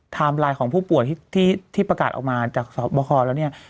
ไลน์ของผู้ป่วยที่ประกาศออกมาจากสอบคอแล้วเนี่ย